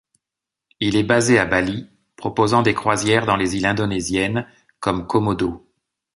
Il est basé à Bali, proposant des croisières dans les îles indonésiennes comme Komodo.